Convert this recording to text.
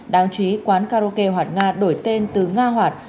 đáng chú ý quán karaoke hoạt nga đổi tên từ nga hoạt